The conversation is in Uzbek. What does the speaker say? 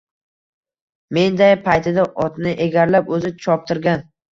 Menday paytida otni egarlab o‘zi choptirgan.